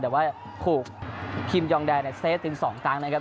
แต่ว่าคูกคิมยองแดนอักเสธถึง๒ตั้งนะครับ